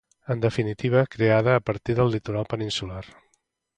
En definitiva, creada a partir del litoral peninsular